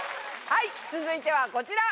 はい続いてはこちら。